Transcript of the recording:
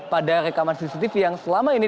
pada rekaman cctv yang selama ini